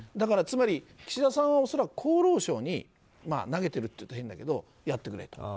つまり、岸田さんは恐らく厚労省に投げているという変だけど、やってくれと。